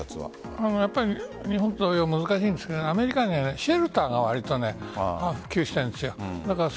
やっぱり日本は難しいんですがアメリカはシェルターが割と普及しているんです。